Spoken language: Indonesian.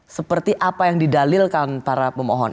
seperti apa yang didalilkan para pemohon